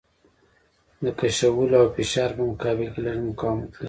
د کشولو او فشار په مقابل کې لږ مقاومت لري.